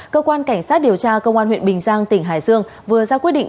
cơ quan cảnh sát điều tra công an huyện bình giang tỉnh hải dương vừa ra quyết định